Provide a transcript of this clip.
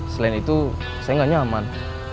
selain itu saya nggak nyaman